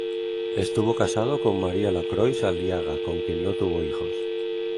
Estuvo casado con María Lacroix Aliaga, con quien no tuvo hijos.